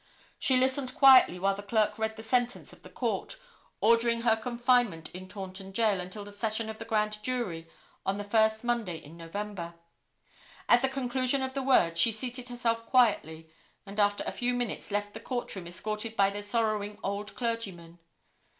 She listened quietly while the clerk read the sentence of the Court, ordering her confinement in Taunton Jail until the session of the grand jury on the first Monday in November. At the conclusion of the words, she seated herself quietly, and after a few minutes left the court room escorted by the sorrowing old clergyman.